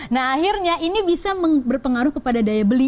nah akhirnya ini bisa berpengaruh kepada daya beli